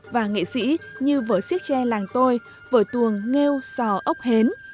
và nghệ sĩ như vở siếc tre làng tôi vở tuồng nghêu sò ốc hến